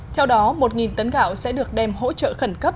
theo đó một tấn gạo sẽ được đem hỗ trợ khẩn cấp